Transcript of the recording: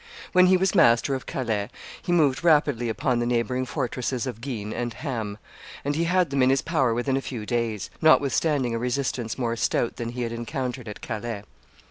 When he was master of Calais he moved rapidly upon the neighboring fortresses of Guines and Ham; and he had them in his power within a few days, notwithstanding a resistance more stout than he had encountered at Calais.